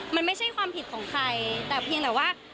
มันไม่ใช่ความผิดของใครแต่เพียงแต่ว่า